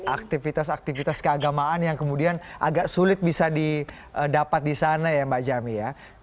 aktivitas aktivitas keagamaan yang kemudian agak sulit bisa didapat di sana ya mbak jami ya